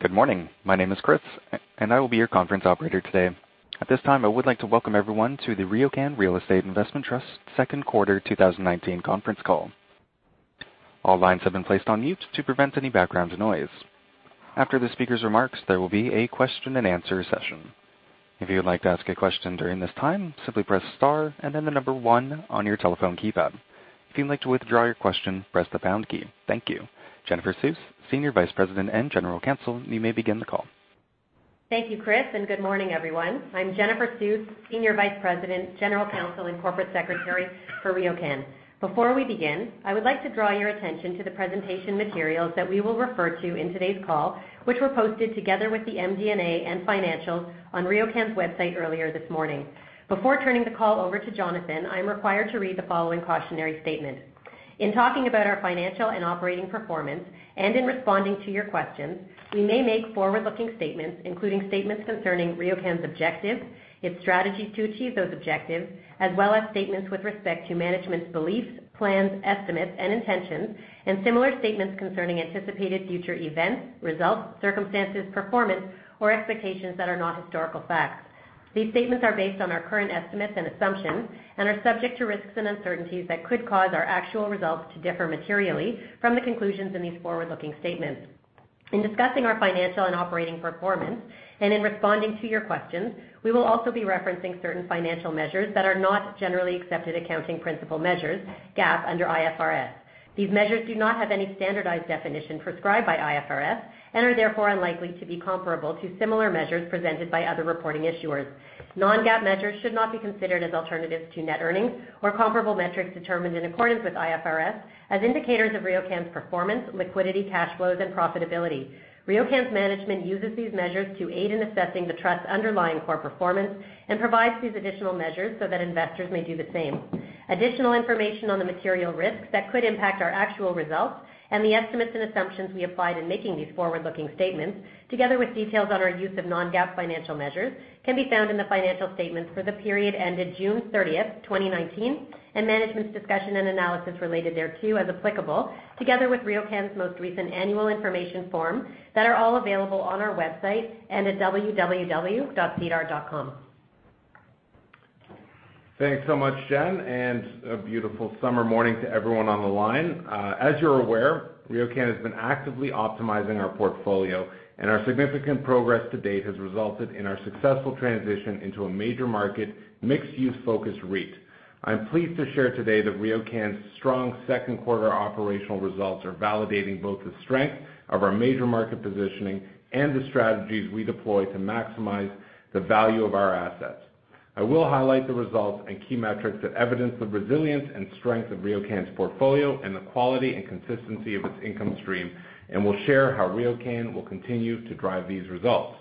Good morning. My name is Chris, and I will be your Conference Operator today. At this time, I would like to welcome everyone to the RioCan Real Estate Investment Trust second quarter 2019 conference call. All lines have been placed on mute to prevent any background noise. After the speaker's remarks, there will be a question and answer session. If you would like to ask a question during this time, simply press star and then the number 1 on your telephone keypad. If you would like to withdraw your question, press the pound key. Thank you. Jennifer Suess, Senior Vice President and General Counsel, you may begin the call. Thank you, Chris, good morning, everyone. I'm Jennifer Suess, Senior Vice President, General Counsel, and Corporate Secretary for RioCan. Before we begin, I would like to draw your attention to the presentation materials that we will refer to in today's call, which were posted together with the MD&A and financials on RioCan's website earlier this morning. Before turning the call over to Jonathan, I am required to read the following cautionary statement. In talking about our financial and operating performance, and in responding to your questions, we may make forward-looking statements, including statements concerning RioCan's objectives, its strategies to achieve those objectives, as well as statements with respect to management's beliefs, plans, estimates, and intentions, and similar statements concerning anticipated future events, results, circumstances, performance, or expectations that are not historical facts. These statements are based on our current estimates and assumptions and are subject to risks and uncertainties that could cause our actual results to differ materially from the conclusions in these forward-looking statements. In discussing our financial and operating performance, and in responding to your questions, we will also be referencing certain financial measures that are not generally accepted accounting principle measures, GAAP, under IFRS. These measures do not have any standardized definition prescribed by IFRS and are therefore unlikely to be comparable to similar measures presented by other reporting issuers. Non-GAAP measures should not be considered as alternatives to net earnings or comparable metrics determined in accordance with IFRS as indicators of RioCan's performance, liquidity, cash flows, and profitability. RioCan's management uses these measures to aid in assessing the trust's underlying core performance and provides these additional measures so that investors may do the same. Additional information on the material risks that could impact our actual results and the estimates and assumptions we applied in making these forward-looking statements, together with details on our use of non-GAAP financial measures, can be found in the financial statements for the period ending June 30th, 2019, and management's discussion and analysis related thereto as applicable, together with RioCan's most recent annual information form that are all available on our website and at www.sedar.com. Thanks so much, Jen, and a beautiful summer morning to everyone on the line. As you're aware, RioCan has been actively optimizing our portfolio, and our significant progress to date has resulted in our successful transition into a major market mixed-use focused REIT. I'm pleased to share today that RioCan's strong second quarter operational results are validating both the strength of our major market positioning and the strategies we deploy to maximize the value of our assets. I will highlight the results and key metrics that evidence the resilience and strength of RioCan's portfolio and the quality and consistency of its income stream, and will share how RioCan will continue to drive these results.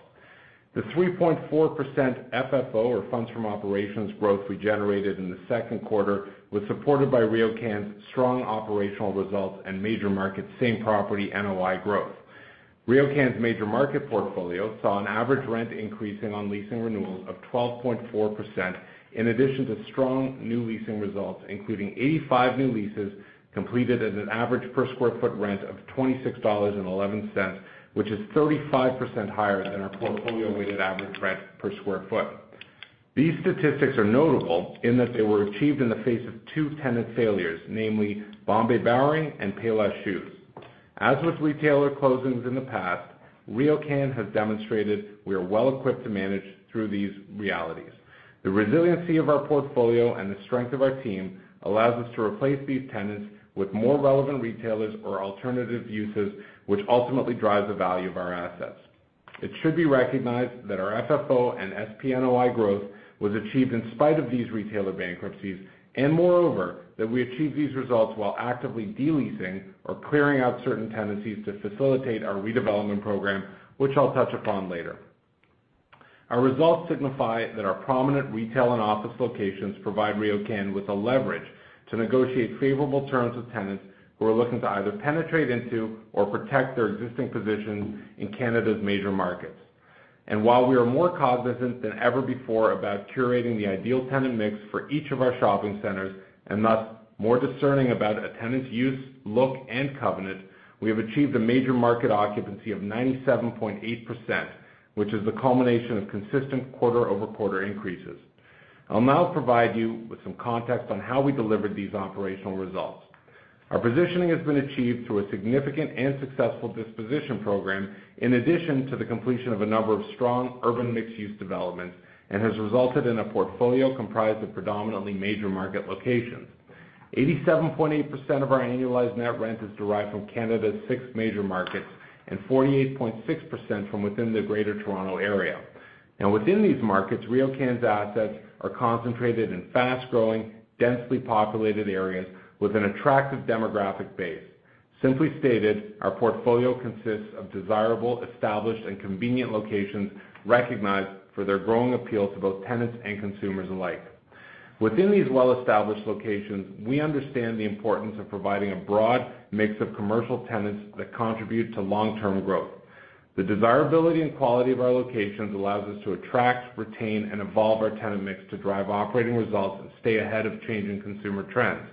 The 3.4% FFO, or funds from operations growth we generated in the second quarter was supported by RioCan's strong operational results and major market same property NOI growth. RioCan's major market portfolio saw an average rent increase in on leasing renewals of 12.4%, in addition to strong new leasing results, including 85 new leases completed at an average per square foot rent of 26.11 dollars, which is 35% higher than our portfolio weighted average rent per square foot. These statistics are notable in that they were achieved in the face of two tenant failures, namely Bombay/Bowring and Payless Shoes. As with retailer closings in the past, RioCan has demonstrated we are well equipped to manage through these realities. The resiliency of our portfolio and the strength of our team allows us to replace these tenants with more relevant retailers or alternative uses, which ultimately drives the value of our assets. It should be recognized that our FFO and SPNOI growth was achieved in spite of these retailer bankruptcies, moreover, that we achieved these results while actively de-leasing or clearing out certain tenancies to facilitate our redevelopment program, which I'll touch upon later. Our results signify that our prominent retail and office locations provide RioCan with the leverage to negotiate favorable terms with tenants who are looking to either penetrate into or protect their existing position in Canada's major markets. While we are more cognizant than ever before about curating the ideal tenant mix for each of our shopping centers, and thus more discerning about a tenant's use, look, and covenant, we have achieved a major market occupancy of 97.8%, which is the culmination of consistent quarter-over-quarter increases. I'll now provide you with some context on how we delivered these operational results. Our positioning has been achieved through a significant and successful disposition program, in addition to the completion of a number of strong urban mixed-use developments, and has resulted in a portfolio comprised of predominantly major market locations. 87.8% of our annualized net rent is derived from Canada's six major markets and 48.6% from within the Greater Toronto Area. Now, within these markets, RioCan's assets are concentrated in fast-growing, densely populated areas with an attractive demographic base. Simply stated, our portfolio consists of desirable, established, and convenient locations recognized for their growing appeal to both tenants and consumers alike. Within these well-established locations, we understand the importance of providing a broad mix of commercial tenants that contribute to long-term growth. The desirability and quality of our locations allows us to attract, retain, and evolve our tenant mix to drive operating results and stay ahead of changing consumer trends.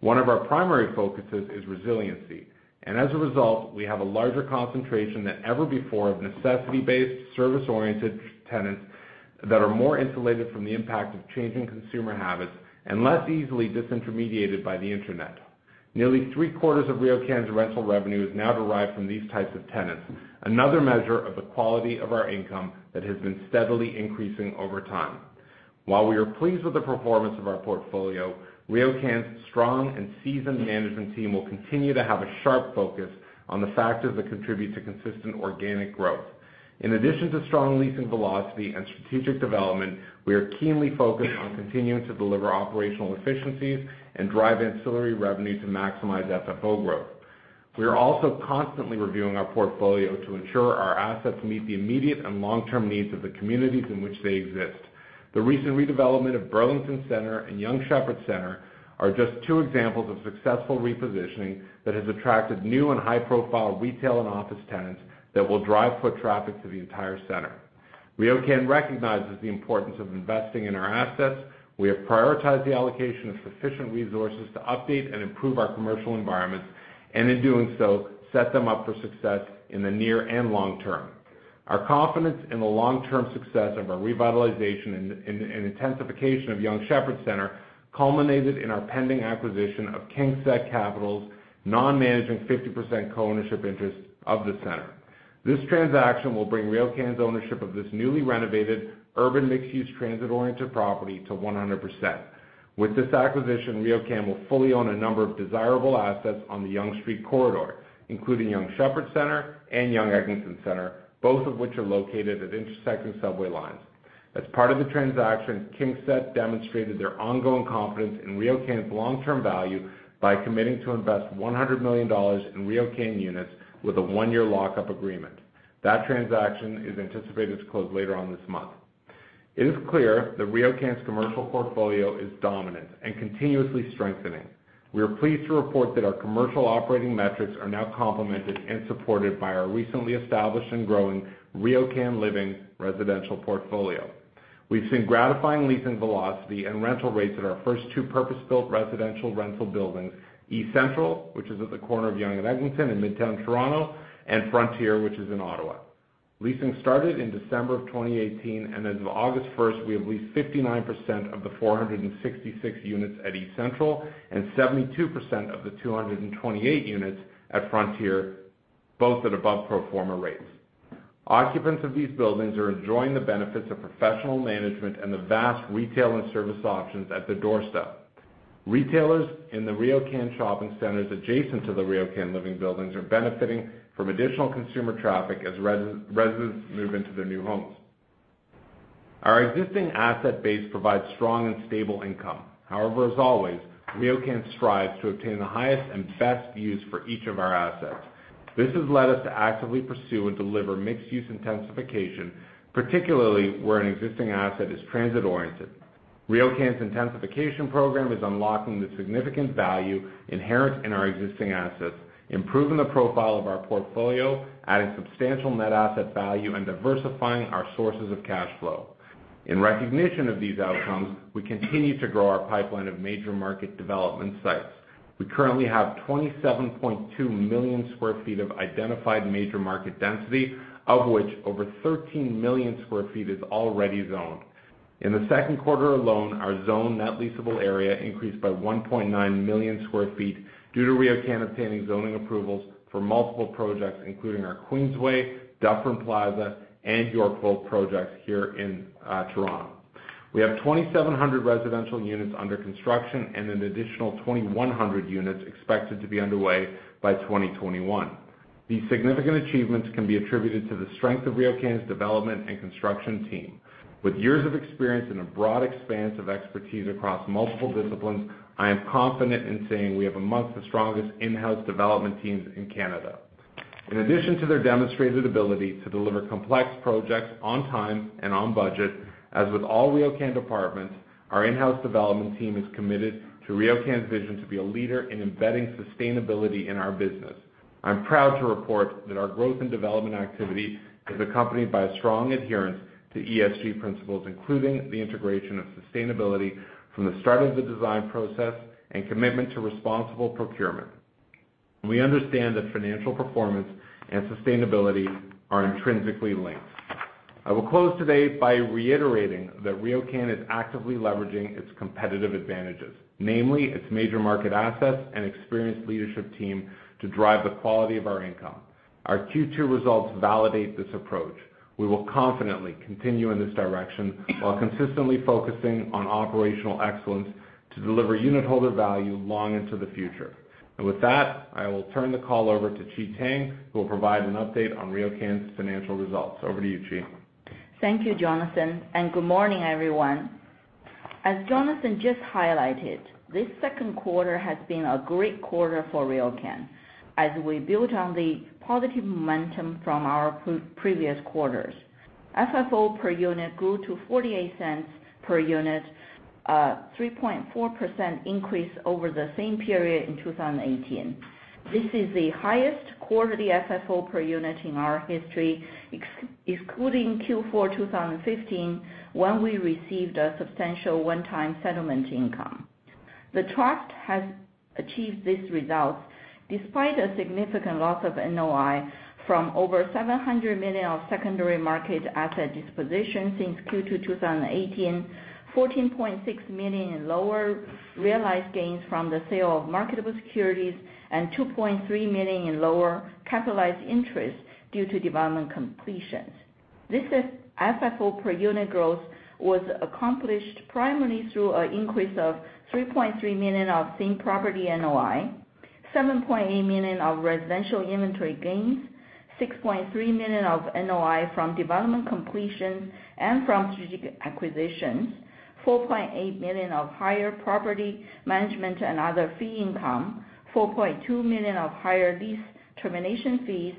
One of our primary focuses is resiliency, and as a result, we have a larger concentration than ever before of necessity-based, service-oriented tenants that are more insulated from the impact of changing consumer habits and less easily disintermediated by the internet. Nearly three-quarters of RioCan's rental revenue is now derived from these types of tenants, another measure of the quality of our income that has been steadily increasing over time. While we are pleased with the performance of our portfolio, RioCan's strong and seasoned management team will continue to have a sharp focus on the factors that contribute to consistent organic growth. In addition to strong leasing velocity and strategic development, we are keenly focused on continuing to deliver operational efficiencies and drive ancillary revenue to maximize FFO growth. We are also constantly reviewing our portfolio to ensure our assets meet the immediate and long-term needs of the communities in which they exist. The recent redevelopment of Burlington Centre and Yonge Sheppard Centre are just two examples of successful repositioning that has attracted new and high-profile retail and office tenants that will drive foot traffic to the entire center. RioCan recognizes the importance of investing in our assets. We have prioritized the allocation of sufficient resources to update and improve our commercial environments, and in doing so, set them up for success in the near and long term. Our confidence in the long-term success of our revitalization and intensification of Yonge Sheppard Centre culminated in our pending acquisition of KingSett Capital's non-managing 50% co-ownership interest of the center. This transaction will bring RioCan's ownership of this newly renovated urban mixed-use transit-oriented property to 100%. With this acquisition, RioCan will fully own a number of desirable assets on the Yonge Street corridor, including Yonge Sheppard Centre and Yonge Eglinton Centre, both of which are located at intersecting subway lines. As part of the transaction, KingSett demonstrated their ongoing confidence in RioCan's long-term value by committing to invest 100 million dollars in RioCan units with a one-year lock-up agreement. That transaction is anticipated to close later on this month. It is clear that RioCan's commercial portfolio is dominant and continuously strengthening. We are pleased to report that our commercial operating metrics are now complemented and supported by our recently established and growing RioCan Living residential portfolio. We've seen gratifying leasing velocity and rental rates at our first two purpose-built residential rental buildings, eCentral, which is at the corner of Yonge and Eglinton in Midtown Toronto, and Frontier, which is in Ottawa. Leasing started in December of 2018, and as of August 1st, we have leased 59% of the 466 units at eCentral and 72% of the 228 units at Frontier, both at above pro forma rates. Occupants of these buildings are enjoying the benefits of professional management and the vast retail and service options at their doorstep. Retailers in the RioCan shopping centers adjacent to the RioCan Living buildings are benefiting from additional consumer traffic as residents move into their new homes. Our existing asset base provides strong and stable income. However, as always, RioCan strives to obtain the highest and best use for each of our assets. This has led us to actively pursue and deliver mixed-use intensification, particularly where an existing asset is transit oriented. RioCan's intensification program is unlocking the significant value inherent in our existing assets, improving the profile of our portfolio, adding substantial net asset value, and diversifying our sources of cash flow. In recognition of these outcomes, we continue to grow our pipeline of major market development sites. We currently have 27.2 million sq ft of identified major market density, of which over 13 million sq ft is already zoned. In the second quarter alone, our zoned net leasable area increased by 1.9 million sq ft due to RioCan obtaining zoning approvals for multiple projects, including our Queensway, Dufferin Plaza, and Yorkville projects here in Toronto. We have 2,700 residential units under construction and an additional 2,100 units expected to be underway by 2021. These significant achievements can be attributed to the strength of RioCan's development and construction team. With years of experience and a broad expanse of expertise across multiple disciplines, I am confident in saying we have amongst the strongest in-house development teams in Canada. In addition to their demonstrated ability to deliver complex projects on time and on budget, as with all RioCan departments, our in-house development team is committed to RioCan's vision to be a leader in embedding sustainability in our business. I'm proud to report that our growth and development activity is accompanied by a strong adherence to ESG principles, including the integration of sustainability from the start of the design process and commitment to responsible procurement. We understand that financial performance and sustainability are intrinsically linked. I will close today by reiterating that RioCan is actively leveraging its competitive advantages, namely its major market assets and experienced leadership team, to drive the quality of our income. Our Q2 results validate this approach. We will confidently continue in this direction while consistently focusing on operational excellence to deliver unitholder value long into the future. With that, I will turn the call over to Qi Tang, who will provide an update on RioCan's financial results. Over to you, Qi. Thank you, Jonathan. Good morning, everyone. As Jonathan just highlighted, this second quarter has been a great quarter for RioCan as we built on the positive momentum from our previous quarters. FFO per unit grew to 0.48 per unit, a 3.4% increase over the same period in 2018. This is the highest quarterly FFO per unit in our history, excluding Q4 2015, when we received a substantial one-time settlement income. The trust has achieved these results despite a significant loss of NOI from over 700 million of secondary market asset disposition since Q2 2018, 14.6 million in lower realized gains from the sale of marketable securities, and 2.3 million in lower capitalized interest due to development completions. This FFO per unit growth was accomplished primarily through an increase of 3.3 million of same-property NOI, 7.8 million of residential inventory gains, 6.3 million of NOI from development completion and from strategic acquisitions, 4.8 million of higher property management and other fee income, 4.2 million of higher lease termination fees,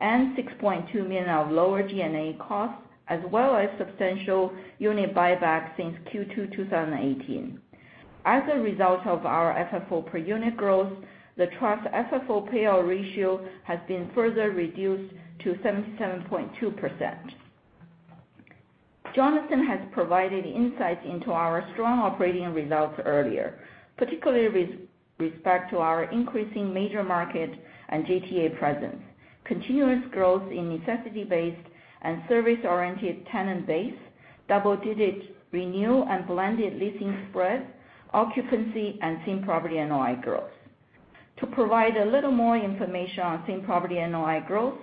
and 6.2 million of lower G&A costs, as well as substantial unit buybacks since Q2 2018. As a result of our FFO per unit growth, the trust FFO payout ratio has been further reduced to 77.2%. Jonathan has provided insights into our strong operating results earlier, particularly with respect to our increasing major market and GTA presence, continuous growth in necessity-based and service-oriented tenant base, double-digit renew and blended leasing spread, occupancy, and same-property NOI growth. To provide a little more information on same-property NOI growth,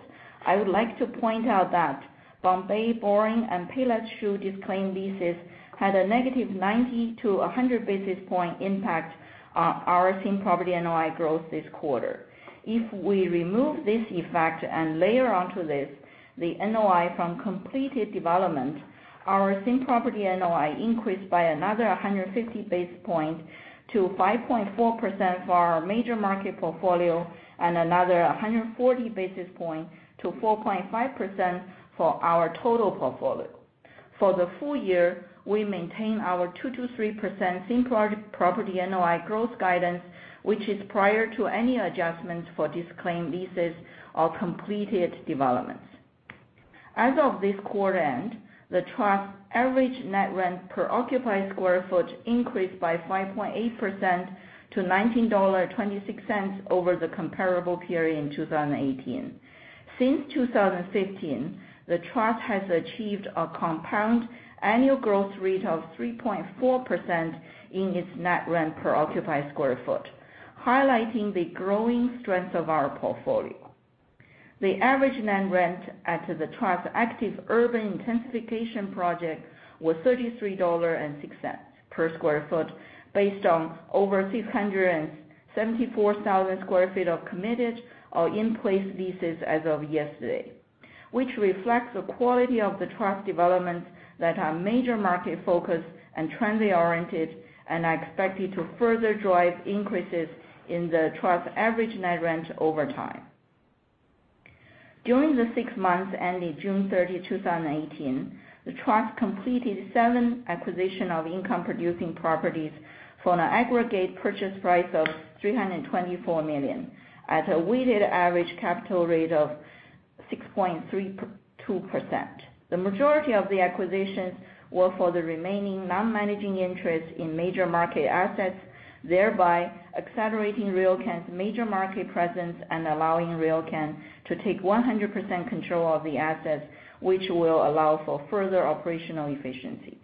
I would like to point out that Bombay, Bowring, and Payless Shoe disclaimed leases had a negative 90 to 100 basis point impact on our same-property NOI growth this quarter. If we remove this effect and layer onto this the NOI from completed development, our same-property NOI increased by another 150 basis points to 5.4% for our major market portfolio and another 140 basis points to 4.5% for our total portfolio. For the full year, we maintain our 2%-3% same-property NOI growth guidance, which is prior to any adjustments for disclaimed leases or completed developments. As of this quarter-end, the trust's average net rent per occupied square foot increased by 5.8% to 19.26 dollar over the comparable period in 2018. Since 2015, the trust has achieved a compound annual growth rate of 3.4% in its net rent per occupied square foot, highlighting the growing strength of our portfolio. The average net rent at the trust's active urban intensification project was 33.06 dollars per square foot based on over 674,000 square feet of committed or in-place leases as of yesterday, which reflects the quality of the trust developments that are major market focused and trendy oriented and are expected to further drive increases in the trust's average net rent over time. During the six months ending June 30, 2018, the trust completed seven acquisitions of income-producing properties for an aggregate purchase price of 324 million at a weighted average capital rate of 6.32%. The majority of the acquisitions were for the remaining non-managing interest in major market assets, thereby accelerating RioCan's major market presence and allowing RioCan to take 100% control of the assets, which will allow for further operational efficiencies.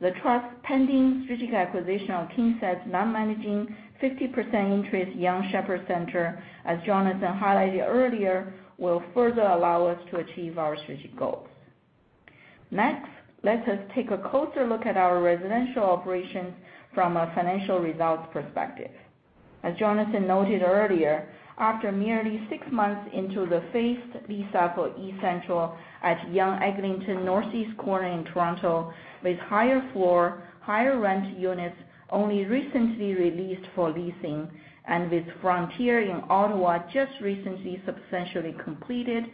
The trust's pending strategic acquisition of KingSett's non-managing 50% interest Yonge Sheppard Centre, as Jonathan highlighted earlier, will further allow us to achieve our strategic goals. Let us take a closer look at our residential operations from a financial results perspective. As Jonathan noted earlier, after merely six months into the phased lease-up for eCentral at Yonge-Eglinton northeast corner in Toronto with higher floor, higher rent units only recently released for leasing and with Frontier in Ottawa just recently substantially completed,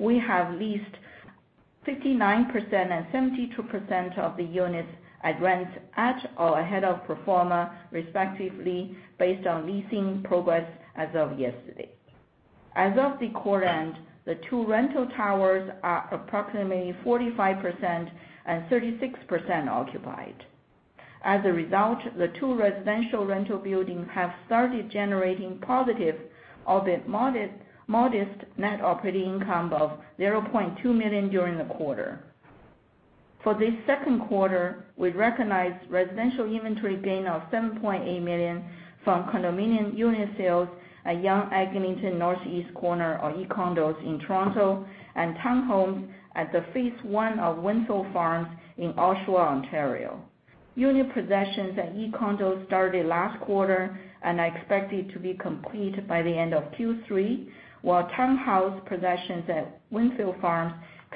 we have leased 59% and 72% of the units at rents at or ahead of pro forma respectively based on leasing progress as of yesterday. As of the quarter-end, the two rental towers are approximately 45% and 36% occupied. As a result, the two residential rental buildings have started generating positive, albeit modest, net operating income of 0.2 million during the quarter. For this second quarter, we recognized residential inventory gain of 7.8 million from condominium unit sales at Yonge-Eglinton northeast corner or eCondos in Toronto and townhomes at the phase 1 of Windfields in Oshawa, Ontario. Unit possessions at eCondos started last quarter and are expected to be complete by the end of Q3, while townhouse possessions at Windfields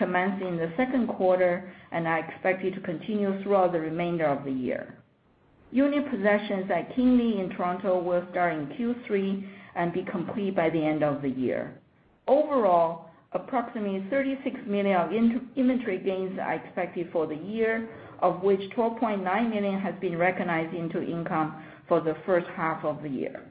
commenced in the second quarter and are expected to continue throughout the remainder of the year. Unit possessions at Kingly in Toronto will start in Q3 and be complete by the end of the year. Overall, approximately 36 million of inventory gains are expected for the year, of which 12.9 million has been recognized into income for the first half of the year.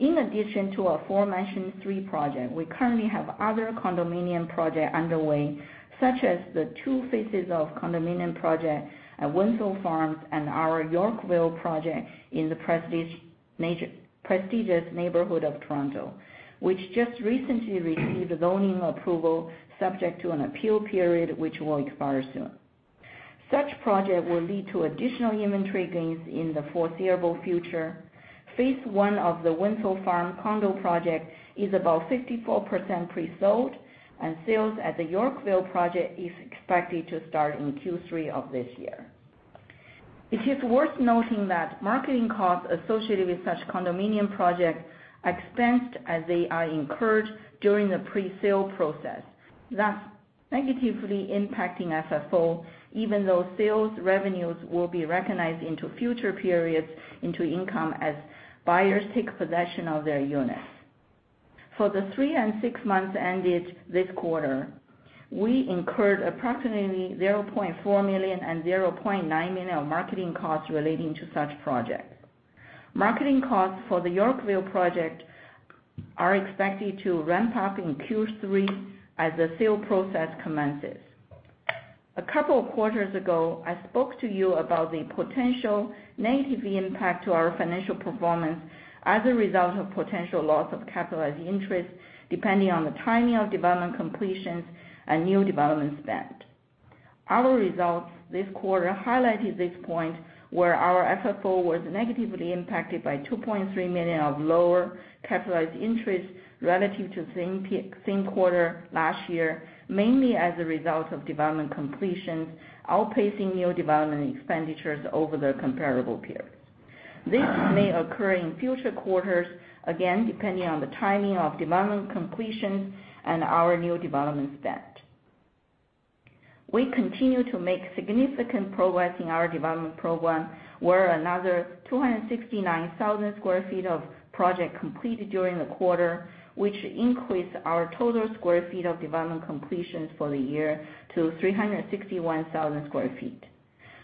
In addition to aforementioned three projects, we currently have other condominium projects underway, such as the 2 phases of condominium project at Windfields Farms and our Yorkville project in the prestigious neighborhood of Toronto, which just recently received zoning approval subject to an appeal period, which will expire soon. Such projects will lead to additional inventory gains in the foreseeable future. Phase 1 of the Windsor Farm condo project is about 54% pre-sold, and sales at the Yorkville project is expected to start in Q3 of this year. It is worth noting that marketing costs associated with such condominium projects expensed as they are incurred during the pre-sale process. Negatively impacting FFO, even though sales revenues will be recognized into future periods into income as buyers take possession of their units. For the three and six months ended this quarter, we incurred approximately 0.4 million and 0.9 million of marketing costs relating to such projects. Marketing costs for the Yorkville project are expected to ramp up in Q3 as the sale process commences. A couple of quarters ago, I spoke to you about the potential negative impact to our financial performance as a result of potential loss of capitalized interest, depending on the timing of development completions and new development spend. Our results this quarter highlighted this point, where our FFO was negatively impacted by 2.3 million of lower capitalized interest relative to same quarter last year, mainly as a result of development completions outpacing new development expenditures over the comparable period. This may occur in future quarters, again, depending on the timing of development completions and our new development spend. We continue to make significant progress in our development program, where another 269,000 sq ft of project completed during the quarter, which increased our total 361,000 sq ft of development completions for the year.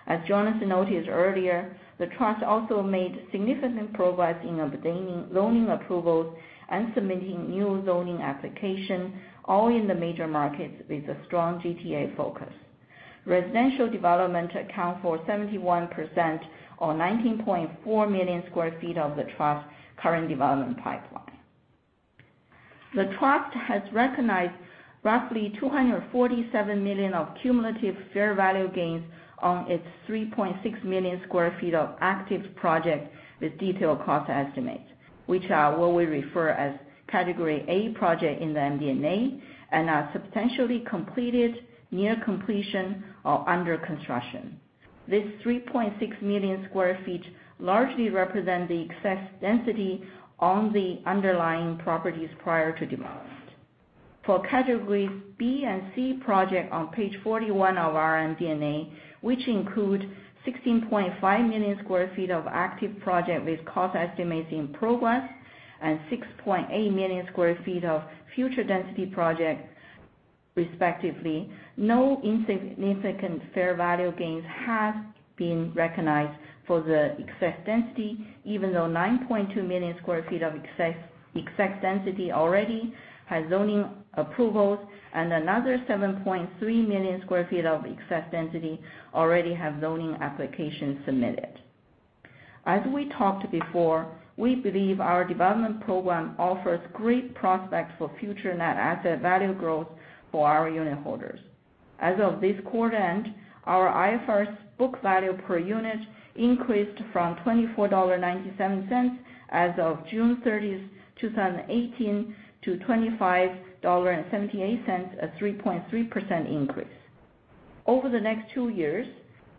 As Jonathan noted earlier, the trust also made significant progress in obtaining zoning approvals and submitting new zoning application, all in the major markets with a strong GTA focus. Residential development account for 71% or 19.4 million sq ft of the trust's current development pipeline. The trust has recognized roughly 247 million of cumulative fair value gains on its 3.6 million sq ft of active projects with detailed cost estimates, which are what we refer as Category A project in the MD&A and are substantially completed, near completion, or under construction. This 3.6 million sq ft largely represent the excess density on the underlying properties prior to development. For Categories B and C project on page 41 of our MD&A, which include 16.5 million sq ft of active project with cost estimates in progress and 6.8 million sq ft of future density projects respectively, no insignificant fair value gains have been recognized for the excess density, even though 9.2 million sq ft of excess density already has zoning approvals and another 7.3 million sq ft of excess density already have zoning applications submitted. As we talked before, we believe our development program offers great prospects for future net asset value growth for our unit holders. As of this quarter end, our IFRS book value per unit increased from 24.97 dollar as of June 30th, 2018, to 25.78 dollar, a 3.3% increase. Over the next two years,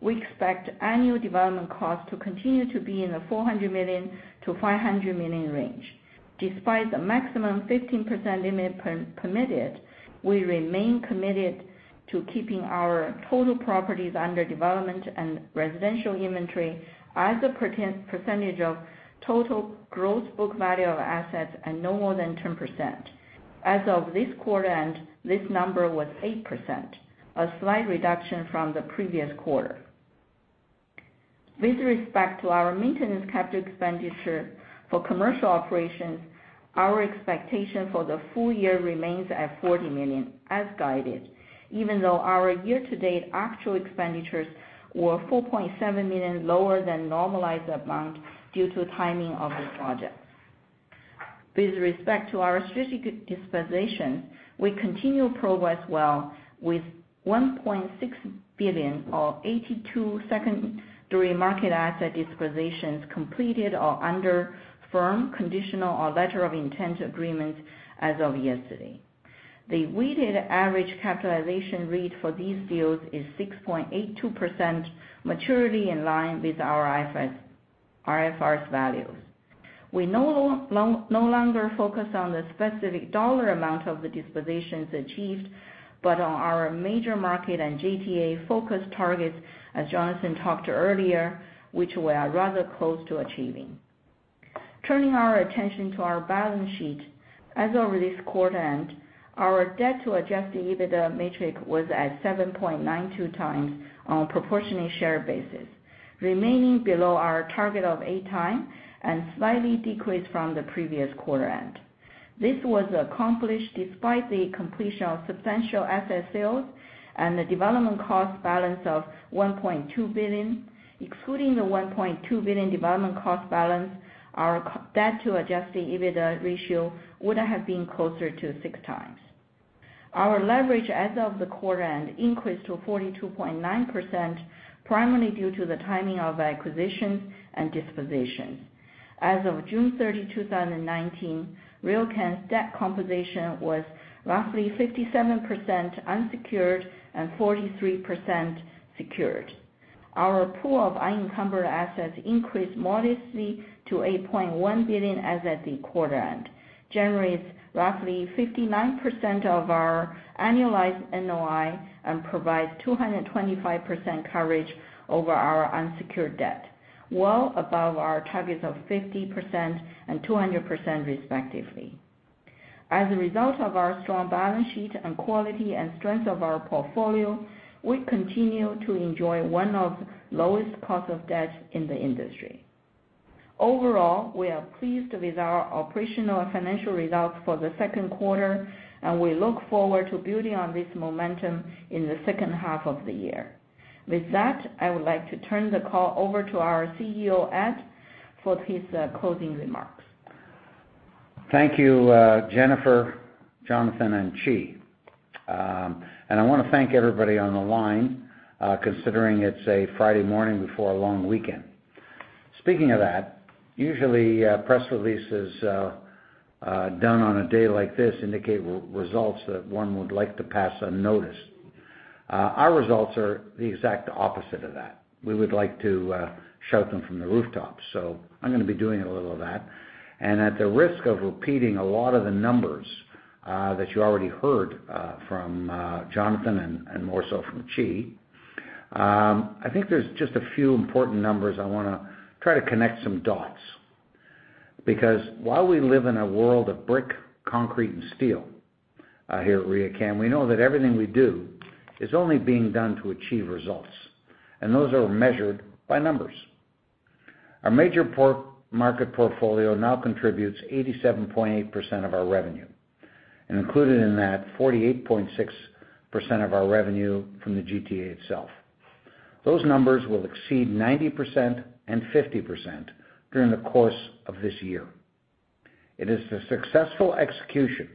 we expect annual development costs to continue to be in the 400 million-500 million range. Despite the maximum 15% limit permitted, we remain committed to keeping our total properties under development and residential inventory as a percentage of total gross book value of assets at no more than 10%. As of this quarter end, this number was 8%, a slight reduction from the previous quarter. With respect to our maintenance capital expenditure for commercial operations, our expectation for the full year remains at 40 million, as guided, even though our year-to-date actual expenditures were 4.7 million lower than normalized amount due to timing of the projects. With respect to our strategic dispositions, we continue to progress well with 1.6 billion or 82 secondary market asset dispositions completed or under firm conditional or letter of intent agreements as of yesterday. The weighted average capitalization rate for these deals is 6.82% maturity in line with our IFRS values. We no longer focus on the specific dollar amount of the dispositions achieved, but on our major market and GTA focus targets, as Jonathan talked earlier, which we are rather close to achieving. Turning our attention to our balance sheet, as of this quarter end, our debt to adjusted EBITDA metric was at 7.92 times on a proportionally share basis, remaining below our target of eight times and slightly decreased from the previous quarter end. This was accomplished despite the completion of substantial asset sales and the development cost balance of 1.2 billion. Excluding the 1.2 billion development cost balance, our debt to adjusted EBITDA ratio would have been closer to six times. Our leverage as of the quarter end increased to 42.9%, primarily due to the timing of acquisitions and dispositions. As of June 30, 2019, RioCan's debt composition was roughly 57% unsecured and 43% secured. Our pool of unencumbered assets increased modestly to 8.1 billion as at the quarter end, generates roughly 59% of our annualized NOI, and provides 225% coverage over our unsecured debt, well above our targets of 50% and 200%, respectively. As a result of our strong balance sheet and quality and strength of our portfolio, we continue to enjoy one of the lowest cost of debt in the industry. Overall, we are pleased with our operational and financial results for the second quarter, and we look forward to building on this momentum in the second half of the year. With that, I would like to turn the call over to our CEO, Ed, for his closing remarks. Thank you, Jennifer, Jonathan, and Qi. I want to thank everybody on the line, considering it's a Friday morning before a long weekend. Speaking of that, usually, press releases done on a day like this indicate results that one would like to pass unnoticed. Our results are the exact opposite of that. We would like to shout them from the rooftops. I'm going to be doing a little of that. At the risk of repeating a lot of the numbers that you already heard from Jonathan, and more so from Qi, I think there's just a few important numbers I want to try to connect some dots. While we live in a world of brick, concrete, and steel here at RioCan, we know that everything we do is only being done to achieve results, and those are measured by numbers. Our major market portfolio now contributes 87.8% of our revenue, and included in that, 48.6% of our revenue from the GTA itself. Those numbers will exceed 90% and 50% during the course of this year. It is the successful execution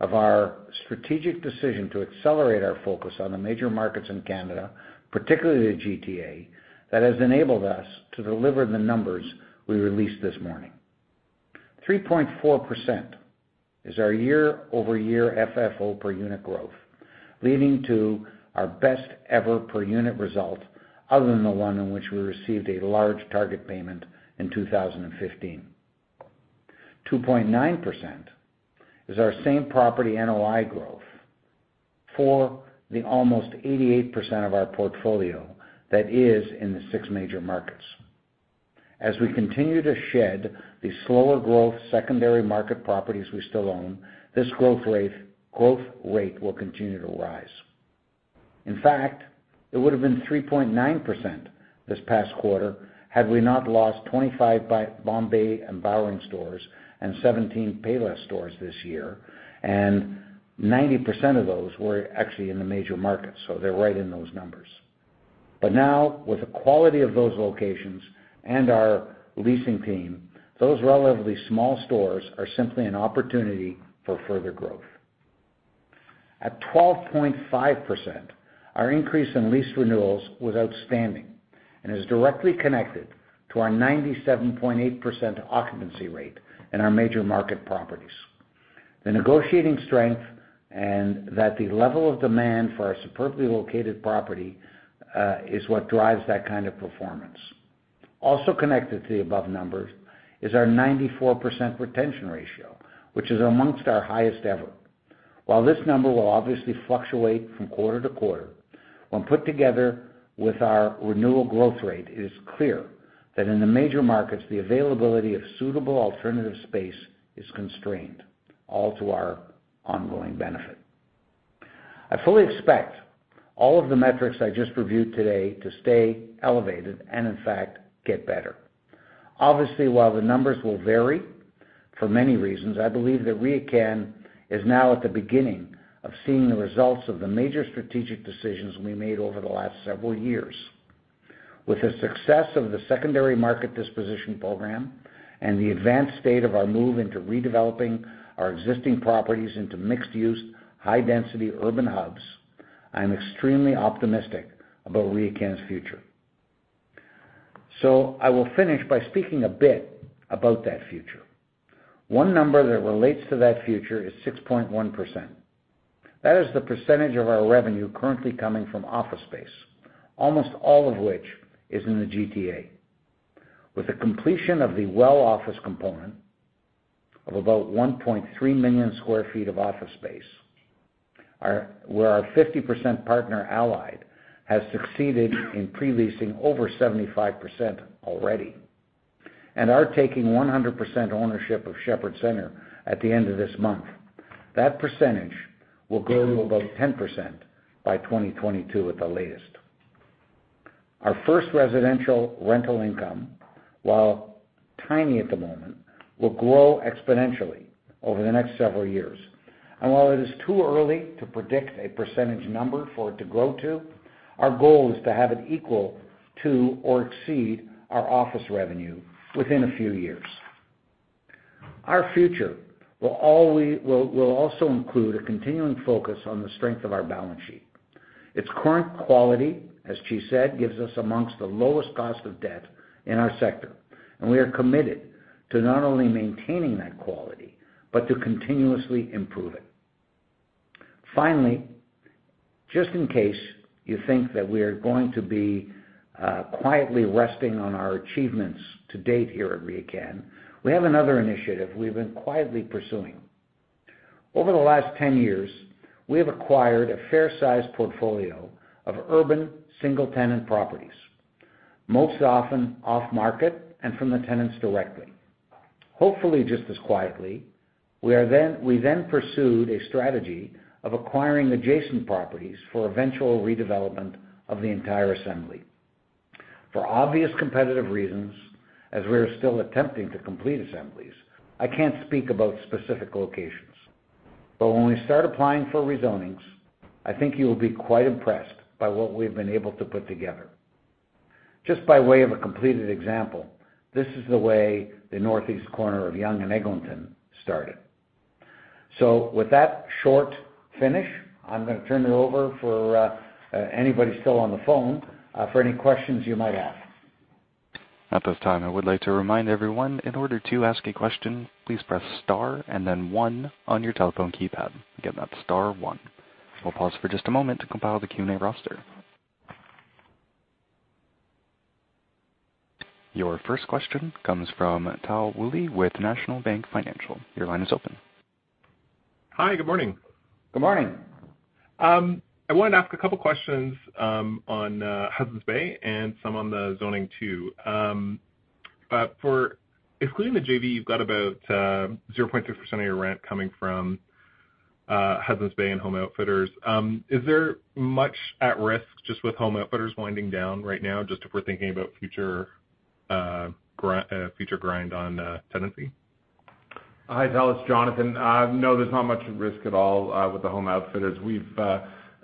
of our strategic decision to accelerate our focus on the major markets in Canada, particularly the GTA, that has enabled us to deliver the numbers we released this morning. 3.4% is our year-over-year FFO per unit growth, leading to our best-ever per unit result, other than the one in which we received a large target payment in 2015. 2.9% is our same property NOI growth for the almost 88% of our portfolio that is in the six major markets. As we continue to shed the slower growth secondary market properties we still own, this growth rate will continue to rise. In fact, it would have been 3.9% this past quarter had we not lost 25 Bombay and Bowring stores and 17 Payless stores this year, and 90% of those were actually in the major markets, so they're right in those numbers. Now, with the quality of those locations and our leasing team, those relatively small stores are simply an opportunity for further growth. At 12.5%, our increase in lease renewals was outstanding and is directly connected to our 97.8% occupancy rate in our major market properties. The negotiating strength and that the level of demand for our superbly located property is what drives that kind of performance. Also connected to the above numbers is our 94% retention ratio, which is amongst our highest ever. While this number will obviously fluctuate from quarter to quarter, when put together with our renewal growth rate, it is clear that in the major markets, the availability of suitable alternative space is constrained, all to our ongoing benefit. I fully expect all of the metrics I just reviewed today to stay elevated, and in fact, get better. Obviously, while the numbers will vary for many reasons, I believe that RioCan is now at the beginning of seeing the results of the major strategic decisions we made over the last several years. With the success of the secondary market disposition program and the advanced state of our move into redeveloping our existing properties into mixed-use, high-density urban hubs, I am extremely optimistic about RioCan's future. I will finish by speaking a bit about that future. One number that relates to that future is 6.1%. That is the percentage of our revenue currently coming from office space, almost all of which is in the GTA. With the completion of the Well office component of about 1.3 million sq ft of office space, where our 50% partner, Allied, has succeeded in pre-leasing over 75% already, and our taking 100% ownership of Sheppard Centre at the end of this month, that percentage will grow to about 10% by 2022 at the latest. Our first residential rental income, while tiny at the moment, will grow exponentially over the next several years. While it is too early to predict a percentage number for it to grow to, our goal is to have it equal to or exceed our office revenue within a few years. Our future will also include a continuing focus on the strength of our balance sheet. Its current quality, as Qi said, gives us amongst the lowest cost of debt in our sector. We are committed to not only maintaining that quality, but to continuously improve it. Finally, just in case you think that we are going to be quietly resting on our achievements to date here at RioCan, we have another initiative we've been quietly pursuing. Over the last 10 years, we have acquired a fair-sized portfolio of urban, single-tenant properties, most often off-market and from the tenants directly. Hopefully, just as quietly, we pursued a strategy of acquiring adjacent properties for eventual redevelopment of the entire assembly. For obvious competitive reasons, as we are still attempting to complete assemblies, I can't speak about specific locations. When we start applying for rezonings, I think you will be quite impressed by what we've been able to put together. Just by way of a completed example, this is the way the northeast corner of Yonge and Eglinton started. With that short finish, I'm going to turn it over for anybody still on the phone, for any questions you might have. At this time, I would like to remind everyone, in order to ask a question, please press star and then one on your telephone keypad. Again, that's star one. We'll pause for just a moment to compile the Q&A roster. Your first question comes from Tal Woolley with National Bank Financial. Your line is open. Hi, good morning. Good morning. I wanted to ask a couple of questions on Hudson's Bay and some on the zoning too. For excluding the JV, you've got about 0.3% of your rent coming from Hudson's Bay and Home Outfitters. Is there much at risk just with Home Outfitters winding down right now, just if we're thinking about future grind on tenancy? Hi, Tal. It's Jonathan. No, there's not much at risk at all with the Home Outfitters. We've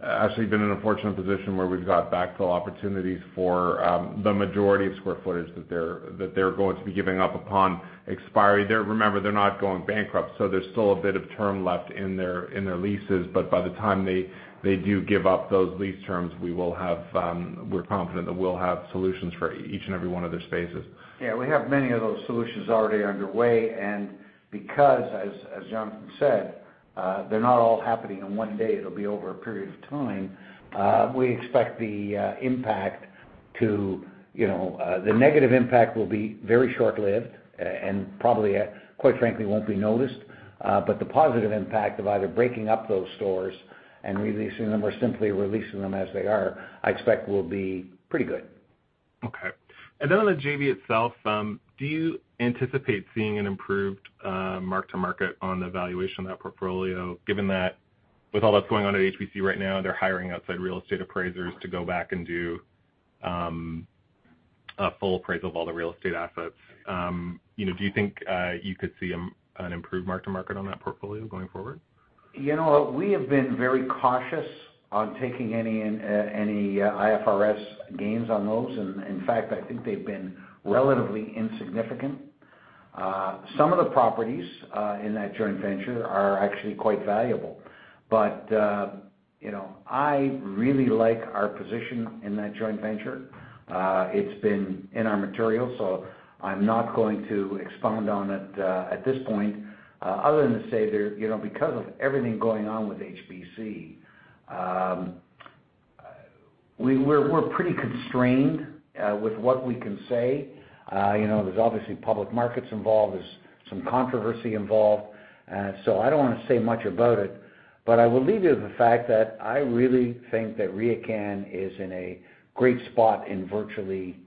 actually been in a fortunate position where we've got backfill opportunities for the majority of square footage that they're going to be giving up upon expiry. Remember, they're not going bankrupt, so there's still a bit of term left in their leases. By the time they do give up those lease terms, we're confident that we'll have solutions for each and every one of their spaces. Yeah, we have many of those solutions already underway. Because, as Jonathan said, they're not all happening in one day, it'll be over a period of time. We expect the negative impact will be very short-lived and probably, quite frankly, won't be noticed. The positive impact of either breaking up those stores and re-leasing them or simply releasing them as they are, I expect will be pretty good. Okay. On the JV itself, do you anticipate seeing an improved mark-to-market on the valuation of that portfolio, given that with all that's going on at HBC right now, they're hiring outside real estate appraisers to go back and do a full appraisal of all the real estate assets. Do you think you could see an improved mark-to-market on that portfolio going forward? We have been very cautious on taking any IFRS gains on those. In fact, I think they've been relatively insignificant. Some of the properties in that joint venture are actually quite valuable. I really like our position in that joint venture. It's been in our materials, so I'm not going to expound on it at this point, other than to say because of everything going on with HBC, we're pretty constrained with what we can say. There's obviously public markets involved. There's some controversy involved. I don't want to say much about it, but I will leave you with the fact that I really think that RioCan is in a great spot from virtually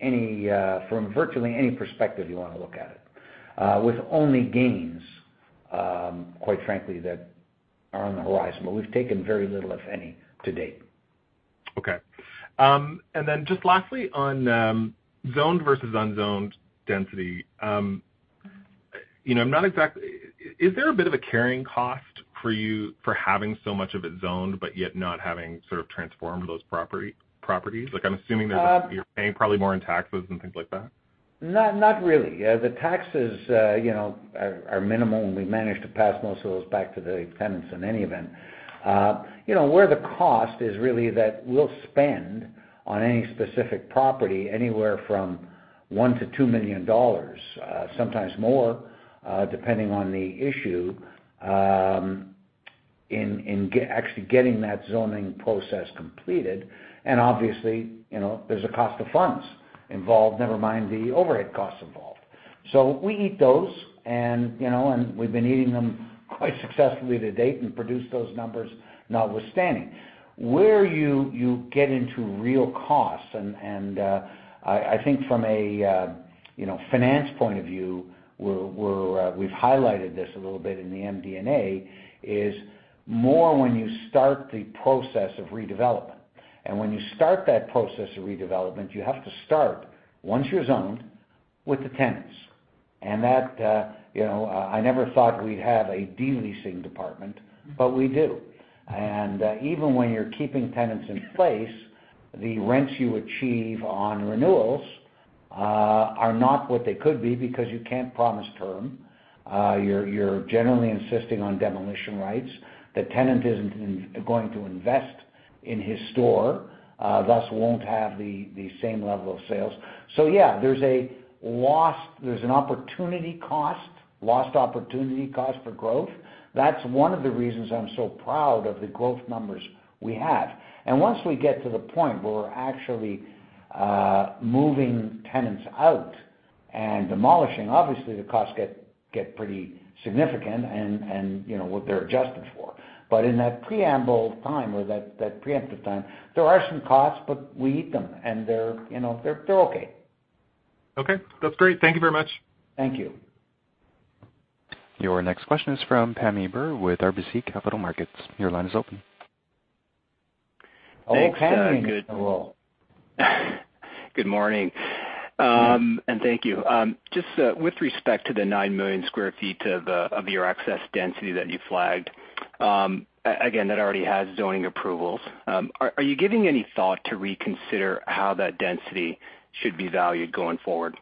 any perspective you want to look at it. With only gains, quite frankly, that are on the horizon, but we've taken very little, if any, to date. Okay. Then just lastly on zoned versus unzoned density. Is there a bit of a carrying cost for you for having so much of it zoned but yet not having sort of transformed those properties? Like I'm assuming that you're paying probably more in taxes and things like that. Not really. The taxes are minimal, and we manage to pass most of those back to the tenants in any event. Where the cost is really that we'll spend on any specific property, anywhere from 1 million to 2 million dollars, sometimes more, depending on the issue, in actually getting that zoning process completed. Obviously, there's a cost of funds involved, never mind the overhead costs involved. We eat those, and we've been eating them quite successfully to date and produce those numbers notwithstanding. Where you get into real costs, and I think from a finance point of view, we've highlighted this a little bit in the MD&A, is more when you start the process of redevelopment. When you start that process of redevelopment, you have to start, once you're zoned, with the tenants. I never thought we'd have a de-leasing department, but we do. Even when you're keeping tenants in place, the rents you achieve on renewals are not what they could be because you can't promise term. You're generally insisting on demolition rights. The tenant isn't going to invest in his store, thus won't have the same level of sales. Yeah, there's an opportunity cost, lost opportunity cost for growth. That's one of the reasons I'm so proud of the growth numbers we have. Once we get to the point where we're actually moving tenants out and demolishing, obviously, the costs get pretty significant, and they're adjusted for. In that preamble time or that preemptive time, there are some costs, but we eat them, and they're okay. Okay. That's great. Thank you very much. Thank you. Your next question is from Pammi Bir with RBC Capital Markets. Your line is open. Hello, Pam. Thanks. Good morning. Thank you. Just with respect to the 9 million sq ft of your excess density that you flagged, again, that already has zoning approvals. Are you giving any thought to reconsider how that density should be valued going forward?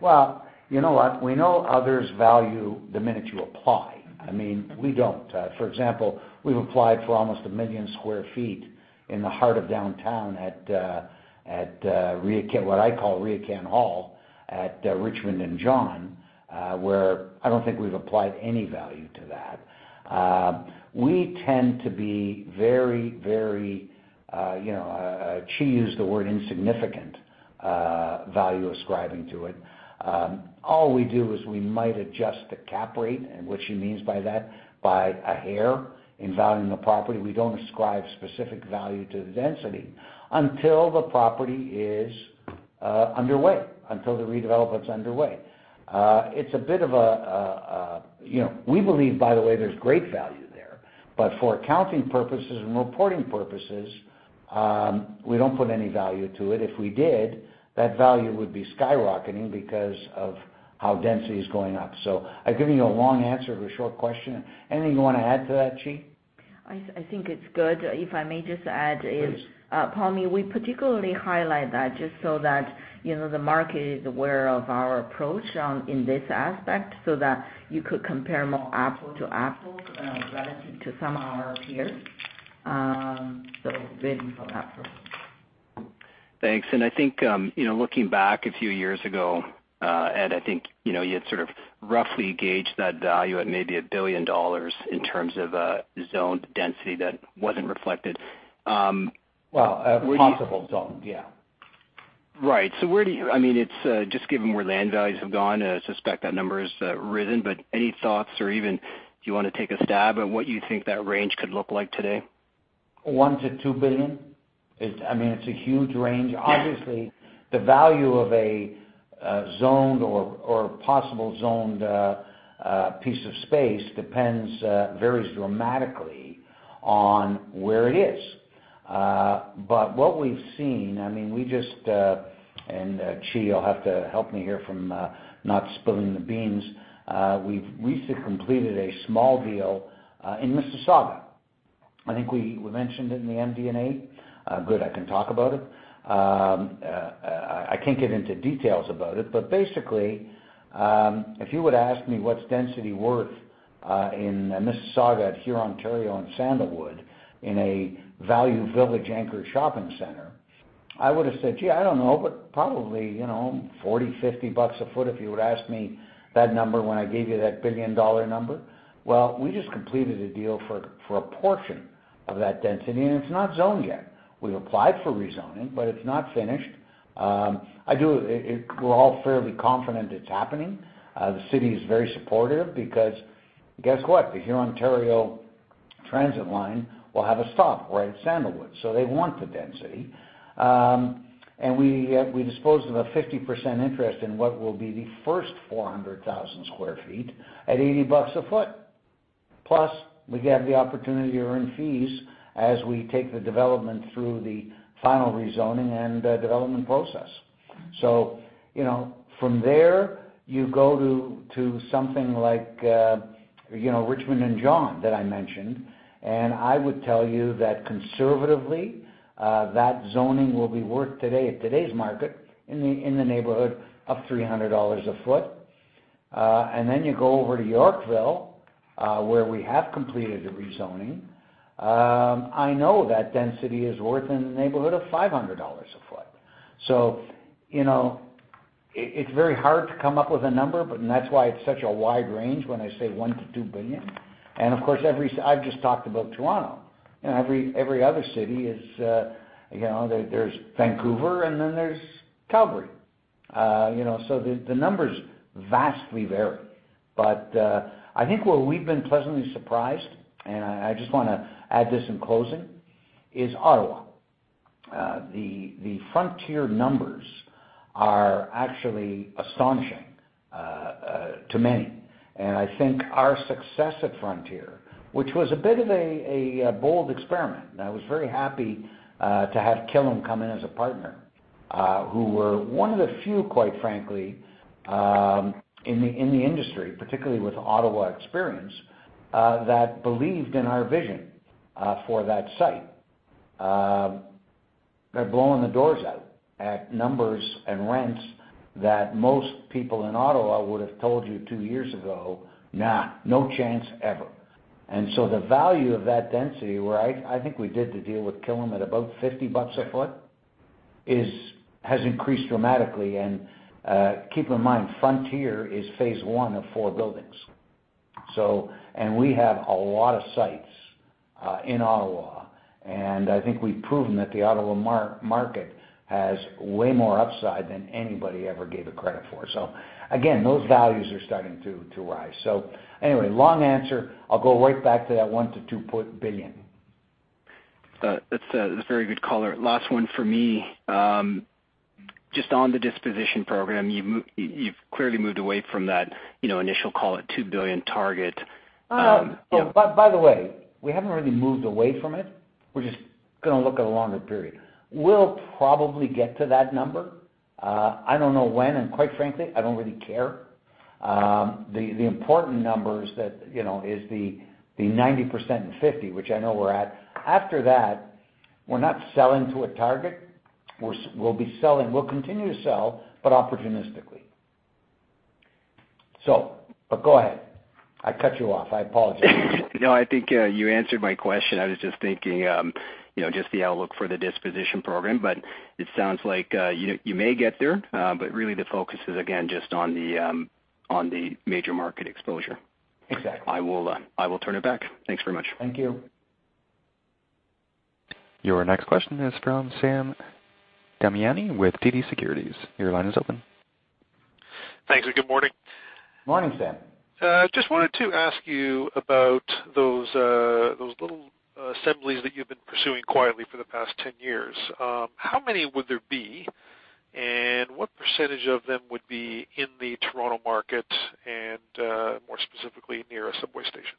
Well, you know what? We know others value the minute you apply. We don't. For example, we've applied for almost 1 million sq ft in the heart of downtown at what I call RioCan Hall at Richmond and John, where I don't think we've applied any value to that. We tend to be very, very Qi used the word insignificant value ascribing to it. All we do is we might adjust the cap rate, and what she means by that, by a hair in valuing the property. We don't ascribe specific value to the density until the property is underway, until the redevelopment's underway. We believe, by the way, there's great value there. For accounting purposes and reporting purposes, we don't put any value to it. If we did, that value would be skyrocketing because of how density is going up. I've given you a long answer to a short question. Anything you want to add to that, Qi? I think it's good. If I may just add. Please Pam, we particularly highlight that just so that the market is aware of our approach in this aspect so that you could compare more apple to apple relative to some of our peers. Waiting for apple. Thanks. I think, looking back a few years ago, Ed, I think, you had sort of roughly gauged that value at maybe 1 billion dollars in terms of zoned density that wasn't reflected. Well, a possible zone. Yeah. Right. Just given where land values have gone, I suspect that number has risen, but any thoughts or even do you want to take a stab at what you think that range could look like today? 1 billion to 2 billion. It's a huge range. Obviously, the value of a zoned or possible zoned piece of space varies dramatically on where it is. What we've seen, and Qi, you'll have to help me here from not spilling the beans, we've recently completed a small deal in Mississauga. I think we mentioned it in the MD&A. Good, I can talk about it. I can't get into details about it. Basically, if you were to ask me what's density worth in Mississauga at Hurontario and Sandalwood in a Value Village anchor shopping center, I would've said, "Gee, I don't know, but probably 40-50 bucks a foot" if you would've asked me that number when I gave you that billion-dollar number. Well, we just completed a deal for a portion of that density, and it's not zoned yet. We applied for rezoning, but it's not finished. We're all fairly confident it's happening. The city is very supportive because, guess what? The Hurontario transit line will have a stop right at Sandalwood, they want the density. We disposed of a 50% interest in what will be the first 400,000 sq ft at 80 bucks a foot. Plus, we have the opportunity to earn fees as we take the development through the final rezoning and development process. From there, you go to something like Richmond and John that I mentioned, I would tell you that conservatively, that zoning will be worth today at today's market in the neighborhood of 300 dollars a foot. Then you go over to Yorkville, where we have completed the rezoning. I know that density is worth in the neighborhood of 500 dollars a foot. It's very hard to come up with a number, and that's why it's such a wide range when I say 1 billion-2 billion. Of course, I've just talked about Toronto. Every other city is, there's Vancouver and then there's Calgary. The numbers vastly vary. I think where we've been pleasantly surprised, and I just want to add this in closing, is Ottawa. The Frontier numbers are actually astonishing to many. I think our success at Frontier, which was a bit of a bold experiment, and I was very happy to have Killam come in as a partner who were one of the few, quite frankly, in the industry, particularly with Ottawa experience, that believed in our vision for that site. They're blowing the doors out at numbers and rents that most people in Ottawa would've told you two years ago, "Nah, no chance ever." The value of that density, where I think we did the deal with Killam at about 50 bucks a foot, has increased dramatically. Keep in mind, Frontier is phase 1 of four buildings. We have a lot of sites in Ottawa, and I think we've proven that the Ottawa market has way more upside than anybody ever gave it credit for. Again, those values are starting to rise. Anyway, long answer. I'll go right back to that 1 billion-2 billion. That's very good color. Last one for me. Just on the disposition program, you've clearly moved away from that initial, call it, 2 billion target. By the way, we haven't really moved away from it. We're just going to look at a longer period. We'll probably get to that number. I don't know when, and quite frankly, I don't really care. The important numbers that is the 90% and 50, which I know we're at. After that, we're not selling to a target. We'll continue to sell, but opportunistically. Go ahead. I cut you off. I apologize. No, I think you answered my question. I was just thinking, just the outlook for the disposition program, but it sounds like you may get there. Really the focus is, again, just on the major market exposure. Exactly. I will turn it back. Thanks very much. Thank you. Your next question is from Sam Damiani with TD Securities. Your line is open. Thanks, good morning. Morning, Sam. Just wanted to ask you about those little assemblies that you've been pursuing quietly for the past 10 years. How many would there be, and what % of them would be in the Toronto market and, more specifically, near a subway station?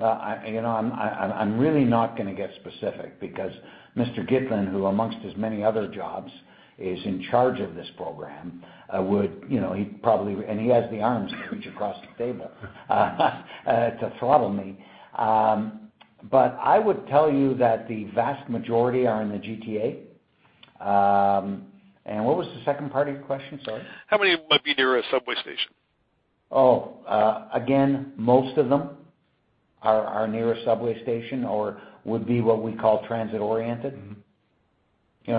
I'm really not going to get specific because Mr. Gitlin, who amongst his many other jobs, is in charge of this program. He has the arms to reach across the table to throttle me. I would tell you that the vast majority are in the GTA. What was the second part of your question? Sorry. How many might be near a subway station? Again, most of them are near a subway station or would be what we call transit-oriented.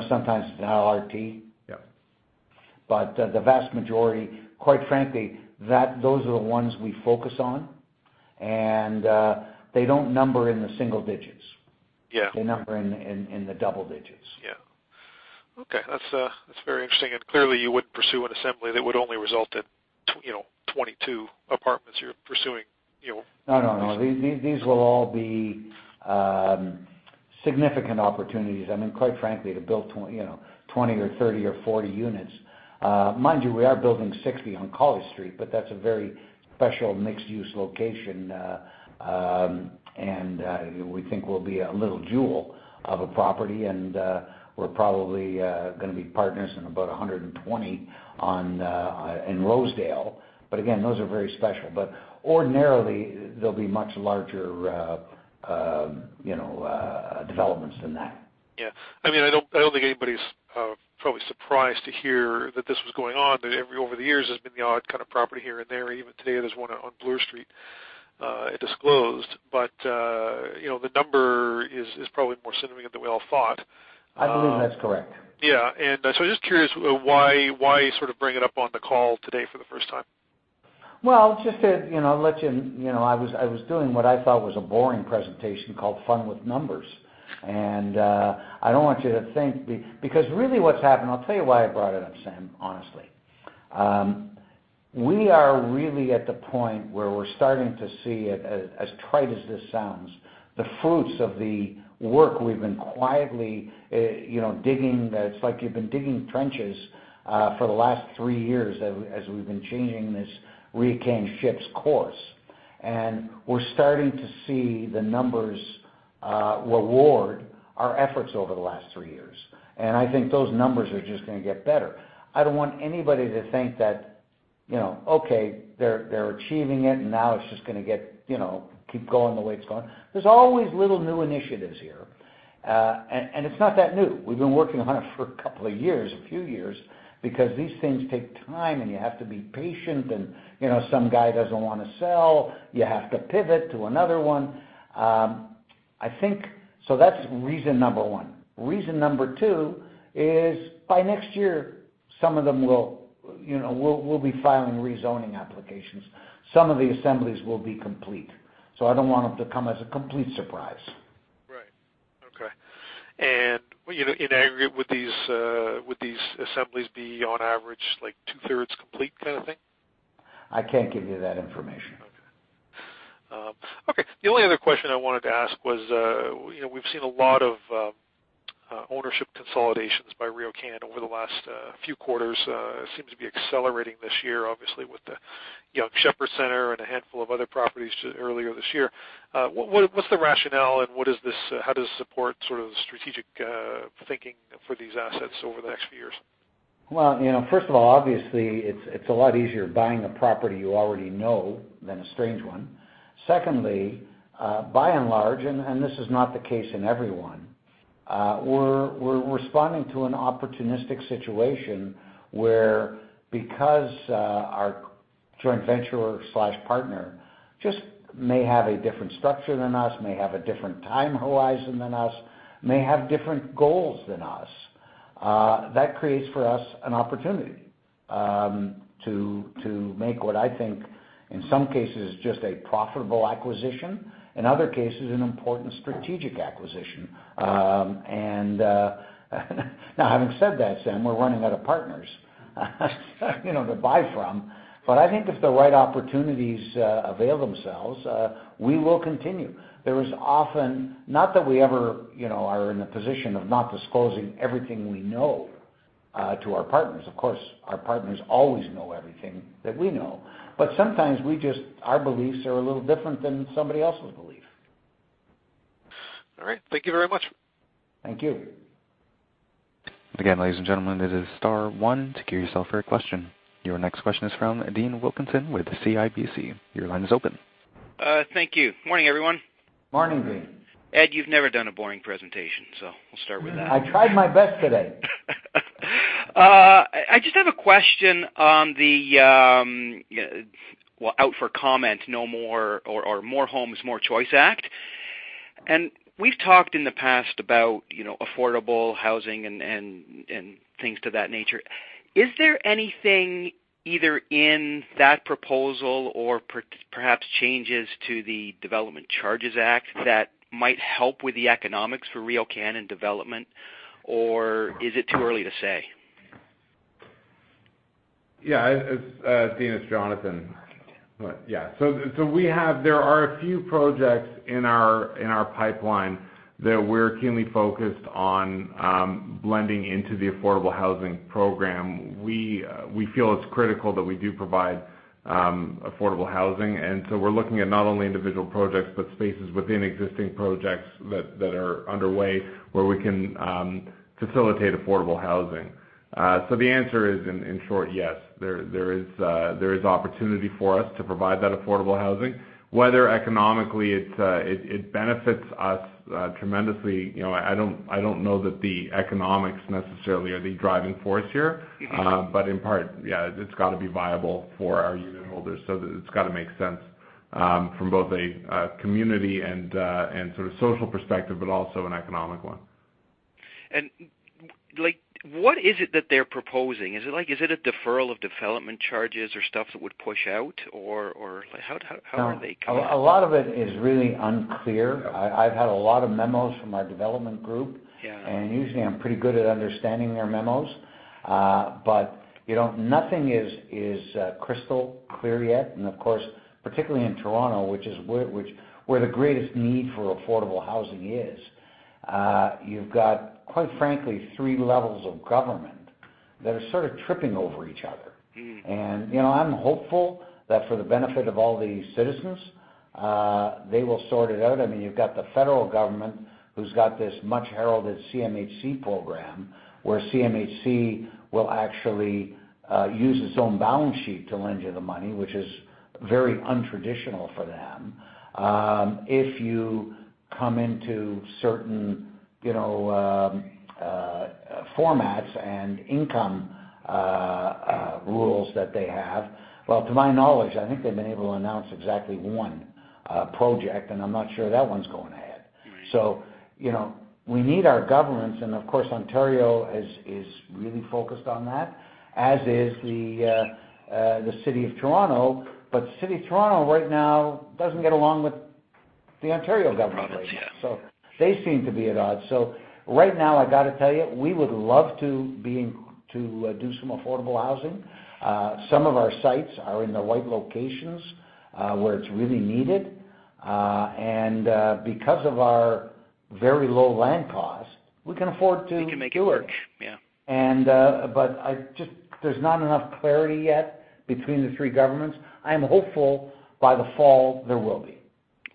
Sometimes it's an LRT. Yep. The vast majority, quite frankly, those are the ones we focus on. They don't number in the single digits. Yeah. They number in the double digits. Yeah. Okay. That's very interesting. Clearly you wouldn't pursue an assembly that would only result in 22 apartments. You're pursuing. No. These will all be significant opportunities. Quite frankly, to build 20 or 30 or 40 units. Mind you, we are building 60 on College Street, but that's a very special mixed-use location. We think we'll be a little jewel of a property and we're probably going to be partners in about 120 in Rosedale. Again, those are very special. Ordinarily, they'll be much larger developments than that. Yeah. I don't think anybody's probably surprised to hear that this was going on, that every over the years there's been the odd kind of property here and there. Even today, there's one on Bloor Street, it disclosed. The number is probably more significant than we all thought. I believe that's correct. Yeah. Just curious why sort of bring it up on the call today for the first time? Well, I was doing what I thought was a boring presentation called Fun with Numbers. I don't want you to think Because really what's happened, I'll tell you why I brought it up, Sam, honestly. We are really at the point where we're starting to see, as trite as this sounds, the fruits of the work we've been quietly digging. It's like you've been digging trenches for the last three years as we've been changing this RioCan ship's course. We're starting to see the numbers reward our efforts over the last three years. I think those numbers are just going to get better. I don't want anybody to think that, okay, they're achieving it, and now it's just going to keep going the way it's going. There's always little new initiatives here. It's not that new. We've been working on it for a couple of years, a few years, because these things take time, and you have to be patient, and some guy doesn't want to sell. You have to pivot to another one. That's reason number one. Reason number two is, by next year, some of them we'll be filing rezoning applications. Some of the assemblies will be complete, so I don't want them to come as a complete surprise. Right. Okay. In aggregate, would these assemblies be on average like two-thirds complete kind of thing? I can't give you that information. Okay. The only other question I wanted to ask was, we've seen a lot of ownership consolidations by RioCan over the last few quarters. Seems to be accelerating this year, obviously, with the Yonge Sheppard Centre and a handful of other properties earlier this year. What's the rationale and how does this support sort of the strategic thinking for these assets over the next few years? Well, first of all, obviously, it's a lot easier buying a property you already know than a strange one. Secondly, by and large, and this is not the case in every one, we're responding to an opportunistic situation where, because our joint venture/partner just may have a different structure than us, may have a different time horizon than us, may have different goals than us. That creates for us an opportunity to make what I think, in some cases, is just a profitable acquisition. In other cases, an important strategic acquisition. Now having said that, Sam, we're running out of partners to buy from. I think if the right opportunities avail themselves, we will continue. Not that we ever are in a position of not disclosing everything we know to our partners. Of course, our partners always know everything that we know. Sometimes our beliefs are a little different than somebody else's belief. All right. Thank you very much. Thank you. Again, ladies and gentlemen, it is star one to queue yourself for a question. Your next question is from Dean Wilkinson with CIBC. Your line is open. Thank you. Morning, everyone. Morning, Dean. Ed, you've never done a boring presentation, so we'll start with that. I tried my best today. I just have a question on the, well, out for comment, More Homes More Choice Act. We've talked in the past about affordable housing and things to that nature. Is there anything either in that proposal or perhaps changes to the Development Charges Act that might help with the economics for RioCan and development, or is it too early to say? Yeah. Dean, it's Jonathan. There are a few projects in our pipeline that we're keenly focused on blending into the affordable housing program. We feel it's critical that we do provide affordable housing. We're looking at not only individual projects, but spaces within existing projects that are underway where we can facilitate affordable housing. The answer is, in short, yes. There is opportunity for us to provide that affordable housing. Whether economically it benefits us tremendously, I don't know that the economics necessarily are the driving force here. In part, yeah, it's got to be viable for our unitholders so that it's got to make sense from both a community and sort of social perspective, but also an economic one. What is it that they're proposing? Is it a deferral of development charges or stuff that would push out, or how are they coming at it? A lot of it is really unclear. I've had a lot of memos from our development group. Yeah. Usually I'm pretty good at understanding their memos. Nothing is crystal clear yet. Of course, particularly in Toronto, which where the greatest need for affordable housing is. You've got, quite frankly, three levels of government that are sort of tripping over each other. I'm hopeful that for the benefit of all the citizens, they will sort it out. You've got the federal government who's got this much heralded CMHC program where CMHC will actually use its own balance sheet to lend you the money, which is very untraditional for them. If you come into certain formats and income rules that they have. Well, to my knowledge, I think they've been able to announce exactly one project, and I'm not sure that one's going ahead. Right. We need our governments, and of course, Ontario is really focused on that, as is the City of Toronto. City of Toronto right now doesn't get along with the Ontario government right now. Provincials. They seem to be at odds. Right now, I got to tell you, we would love to do some affordable housing. Some of our sites are in the right locations, where it's really needed. Because of our very low land cost, we can afford to do it. You can make it work. Yeah. There's not enough clarity yet between the three governments. I am hopeful by the fall there will be.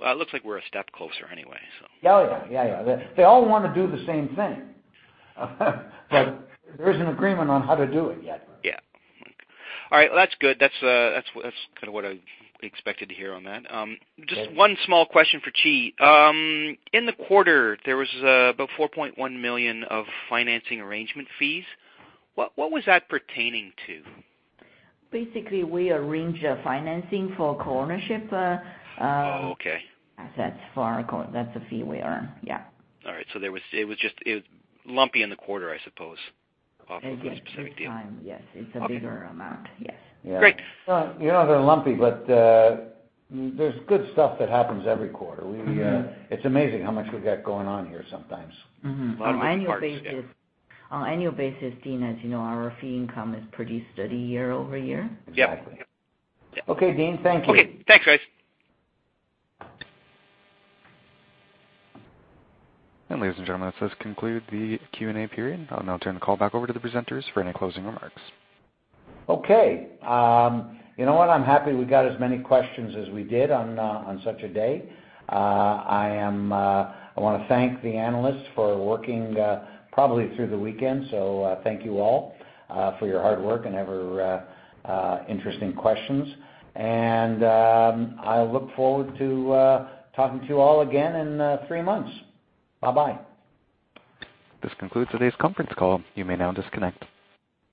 Well, it looks like we're a step closer anyway. Yeah. They all want to do the same thing. There isn't agreement on how to do it yet. Yeah. All right. Well, that's good. That's kind of what I expected to hear on that. Just one small question for Qi. In the quarter, there was about 4.1 million of financing arrangement fees. What was that pertaining to? Basically, we arrange the financing for co-ownership- Oh, okay. assets for our co. That's a fee we earn. Yeah. All right. It was just lumpy in the quarter, I suppose, off of a specific deal. At this time, yes. It's a bigger amount. Yes. Great. They're lumpy, but there's good stuff that happens every quarter. It's amazing how much we've got going on here sometimes. On annual basis, Dean, as you know, our fee income is pretty steady year-over-year. Exactly. Okay, Dean, thank you. Okay. Thanks, guys. Ladies and gentlemen, this does conclude the Q&A period. I'll now turn the call back over to the presenters for any closing remarks. Okay. You know what? I'm happy we got as many questions as we did on such a day. I want to thank the analysts for working probably through the weekend. Thank you all for your hard work and ever interesting questions. I look forward to talking to you all again in three months. Bye-bye. This concludes today's conference call. You may now disconnect.